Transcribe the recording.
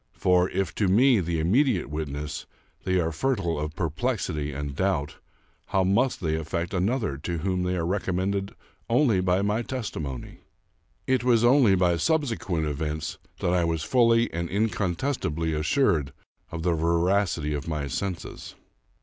For, if to me, the immediate witness, they were fertile of perplexity and doubt, how must they affect another to whom they are recommended only by my testimony? It was only by sub sequent events that I was fully and incontestably assured of the veracity of my senses.